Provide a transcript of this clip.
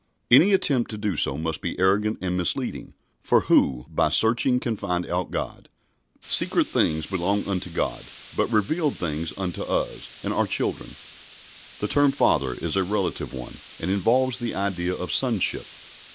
Any attempt to do so must be arrogant and misleading, for who "by searching can find out God"? Secret things belong unto God, but revealed things unto us and our children. The term "Father" is a relative one and involves the idea of sonship.